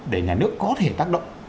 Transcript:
để nhà nước có thể tác động